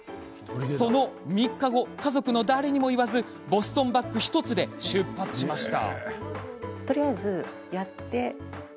その３日後、家族の誰にも言わずボストンバッグ１つで出発しました。